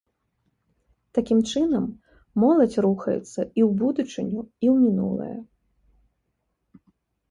Такім чынам моладзь рухаецца і ў будучыню, і ў мінулае.